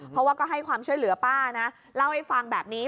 เพราะว่าก็ให้ความช่วยเหลือป้านะเล่าให้ฟังแบบนี้